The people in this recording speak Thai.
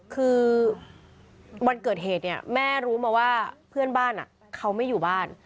คือวันเกิดเหตุเนี่ยแม่รู้มาว่าเพื่อนบ้านเขาไม่อยู่บ้าน